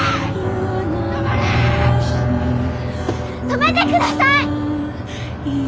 止めてください！